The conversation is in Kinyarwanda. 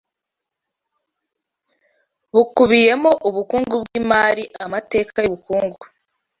bukubiyemo ubukungu bw’imari amateka y’ubukungu